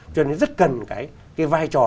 cho nên rất cần cái vai trò